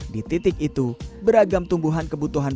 di titik itu beragam tumbuhan kebutuhan